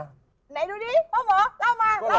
ไหนดูดิพ่อหมอเล่ามาเล่ามา